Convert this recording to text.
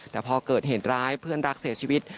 แต่พอเกิดเหตุร้ายเพื่อนรักเสียชีวิต